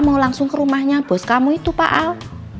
mau langsung ke rumahnya bos kamu itu pak al